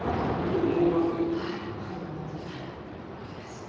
寛容になりたいところです。